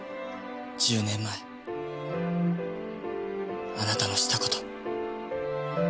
１０年前あなたのした事。